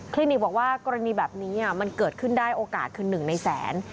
นิกบอกว่ากรณีแบบนี้มันเกิดขึ้นได้โอกาสคือ๑ในแสน